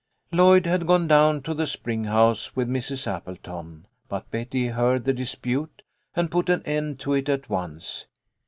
Lloyd had gone down to the spring house with Mrs. Appleton, but Betty heard the dispute and put an end to it at once.